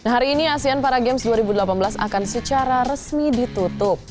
hari ini asean para games dua ribu delapan belas akan secara resmi ditutup